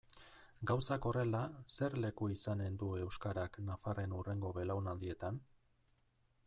Gauzak horrela, zer leku izanen du euskarak nafarren hurrengo belaunaldietan?